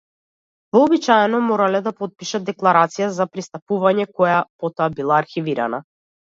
Вообичаено морале да потпишат декларација за пристапување која потоа била архивирана.